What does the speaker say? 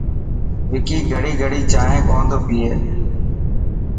وڪي گڙي گڙي جائين ڪونه ٿو پئي.